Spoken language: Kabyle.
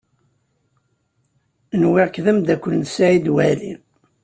Nwiɣ-k d amdakel n Saɛid Waɛli.